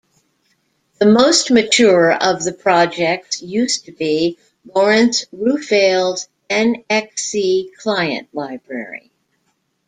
The most mature of the projects used to be Lawrence Roufail's "nxc" client library.